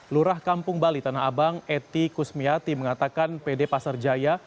lurah kampung bali tanah abang eti kusmiati mengatakan pd pasar jaya